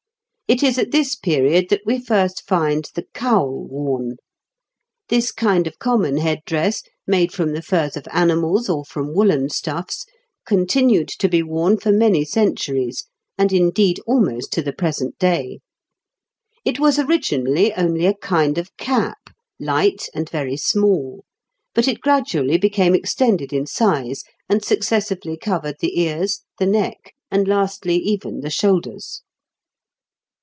It is at this period that we first find the cowl worn. This kind of common head dress, made from the furs of animals or from woollen stuffs, continued to be worn for many centuries, and indeed almost to the present day. It was originally only a kind of cap, light and very small; but it gradually became extended in size, and successively covered the ears, the neck, and lastly even the shoulders.